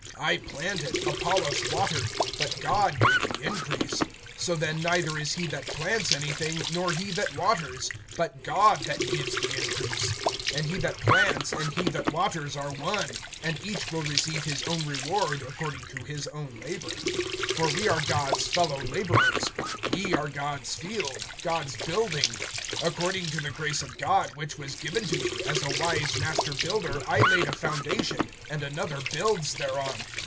(6)I planted, Apollos watered; but God gave the increase. (7)So then neither is he that plants anything, nor he that waters; but God that gives the increase. (8)And he that plants and he that waters are one; and each will receive his own reward according to his own labor. (9)For we are God's fellow laborers; ye are God's field, God's building. (10)According to the grace of God which was given to me, as a wise master builder I laid a foundation, and another builds thereon.